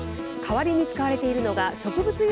代わりに使われているのが植物